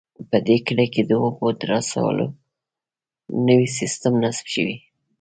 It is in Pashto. په دې کلي کې د اوبو د رارسولو نوی سیسټم نصب شوی